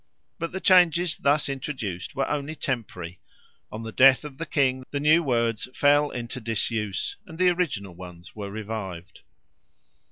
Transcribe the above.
But the changes thus introduced were only temporary; on the death of the king the new words fell into disuse, and the original ones were revived.